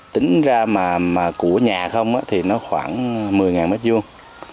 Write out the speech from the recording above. tính ra mà của nhà không thì nó khoảng một mươi mét vuông